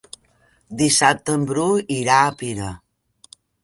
Dissabte en Bru irà a Pira.